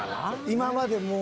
今までも。